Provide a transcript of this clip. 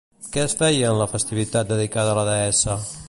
Què es feia en la festivitat dedicada a la deessa?